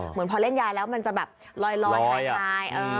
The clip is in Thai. เหมือนพอเล่นยายแล้วมันจะแบบลอยไฮ